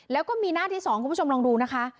แล้วก็มีหน้าที่๒คุณผู้ชมลองดูนะคะ